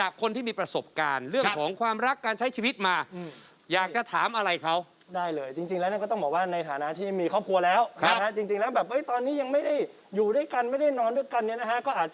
ขอต้อนรับคุณเชนธนาโอ้โฮ